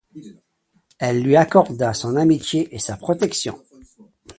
Elle lui accorda son amitié et sa protection.